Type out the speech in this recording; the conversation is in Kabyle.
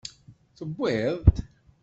Tewwiḍ-t?